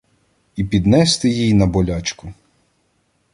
І піднести їй на болячку